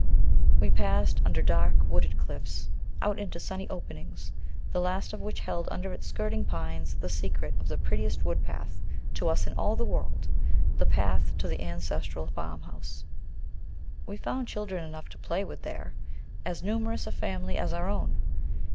We passed under dark wooded cliffs out into sunny openings, the last of which held under its skirting pines the secret of the prettiest woodpath to us in all the world, the path to the ancestral farmhouse. We found children enough to play with there, as numerous a family as our own.